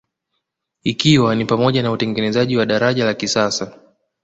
Ikiwa ni pamoja na utengenezaji wa daraja la kisasa